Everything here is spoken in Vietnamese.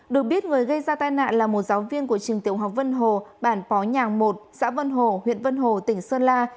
được biết người gây ra tai nạn là một giáo viên của trường tiểu học vân hồ bản bó nhàng một xã vân hồ huyện vân hồ tỉnh sơn la